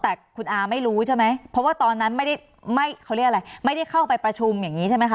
แต่คุณอาร์ไม่รู้ใช่ไหมเพราะว่าตอนนั้นไม่ได้เข้าไปประชุมอย่างนี้ใช่ไหมคะ